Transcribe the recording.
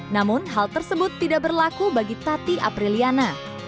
namun hal tersebut tidak berlaku bagi tati apriliana